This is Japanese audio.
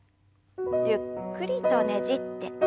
ゆっくりとねじって。